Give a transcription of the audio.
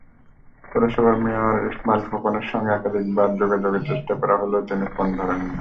পৌরসভার মেয়র ইসমাইল খোকনের সঙ্গে একাধিকবার যোগাযোগের চেষ্টা করা হলেও তিনি ফোন ধরেননি।